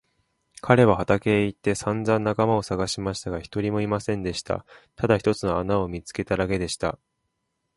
彼は畑へ行ってさんざん仲間をさがしましたが、一人もいませんでした。ただ一つの穴を見つけただけでした。